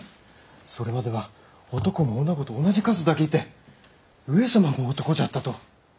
それまでは男も女と同じ数だけいて上様も男じゃったと！